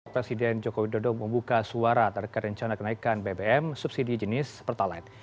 presiden jokowi dodo membuka suara terkarencana kenaikan bbm subsidi jenis pertalat